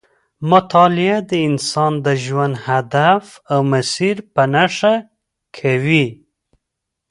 مطالعه د انسان د ژوند هدف او مسیر په نښه کوي.